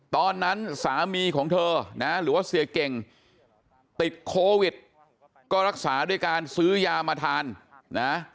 ตอนนั้นสามีของเธอนะหรือว่าเสียเก่งติดโควิดก็รักษาด้วยการซื้อยามาทานนะ